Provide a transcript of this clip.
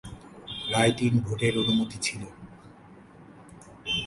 Write-in ভোটের অনুমতি ছিল।